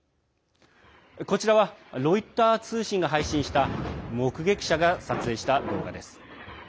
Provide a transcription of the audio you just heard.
こちらはロイター通信が配信した目撃者が撮影した動画です。